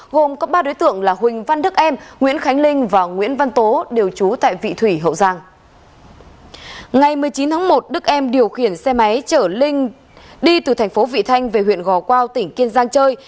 hôm chín tháng một đức em điều khiển xe máy chở linh đi từ thành phố vị thanh về huyện gò quao tỉnh kiên giang chơi